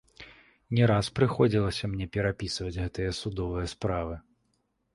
Не раз прыходзілася мне перапісваць гэтыя судовыя справы.